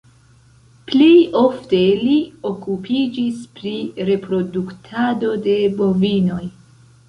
Plej ofte li okupiĝis pri reproduktado de bovinoj.